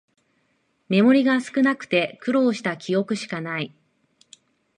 メモリが少なくて苦労した記憶しかない